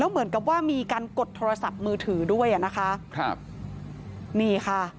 เหมือนกับว่ามีการกดโทรศัพท์มือถือด้วยอ่ะนะคะครับนี่ค่ะ